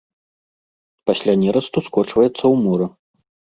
Пасля нерасту скочваецца ў мора.